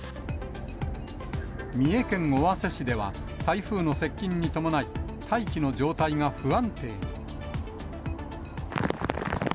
三重県尾鷲市では、台風の接近に伴い、大気の状態が不安定に。